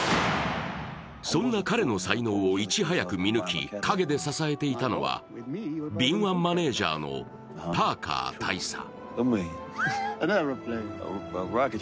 そんな彼の才能をいち早く見抜き陰で支えていたのは敏腕マネージャーのパーカー大佐。